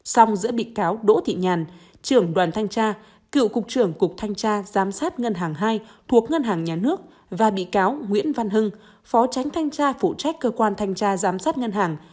song giữa bị cáo đỗ thị nhàn trưởng đoàn thanh tra cựu cục trưởng cục thanh tra giám sát ngân hàng hai thuộc ngân hàng nhà nước và bị cáo nguyễn văn hưng phó tránh thanh tra phụ trách cơ quan thanh tra giám sát ngân hàng